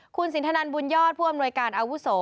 คุณสินทนันบุญยอดผู้อำนวยการอาวุโส